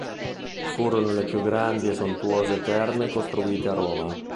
Furono le più grandi e sontuose terme costruite a Roma.